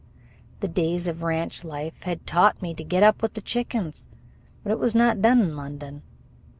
The days of ranch life had taught me to get up with the chickens. But it was not done in London.